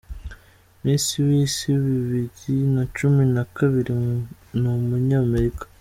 Misi w’Isi bibiri na cumi nakabiri ni Umunyamerika